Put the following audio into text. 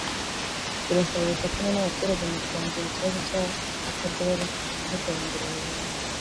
turasaba ubufatanye n’abaturage mu kurandura ikibazo cy’agatadowa bakajyana n’iterambere rirambye